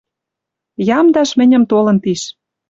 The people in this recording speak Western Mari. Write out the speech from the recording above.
Ямдаш мӹньӹм толын тиш.